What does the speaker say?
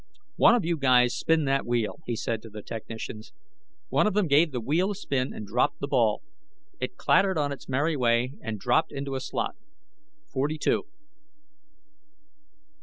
"One of you guys spin that wheel," he said to the technicians. One of them gave the wheel a spin and dropped the ball. It clattered on its merry way and dropped into a slot. Forty two.